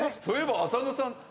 そういえば浅野さん。